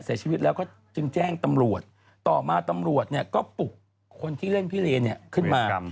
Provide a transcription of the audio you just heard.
เสียชีวิตแล้วก็จึงแจ้งตำรวจต่อมาตำรวจเนี่ยก็ปลุกคนที่เล่นพิเรนขึ้นมา